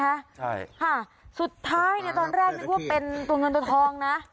ใช่ค่ะสุดท้ายเนี่ยตอนแรกนึกว่าเป็นตัวเงินตัวทองนะ